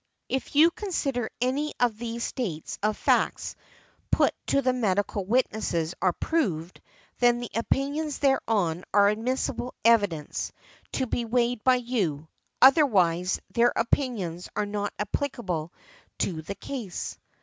If you consider any of these states of facts put to the medical witnesses are proved, then the opinions thereon are admissible evidence, to be weighed by you, otherwise their opinions are not applicable to the case" .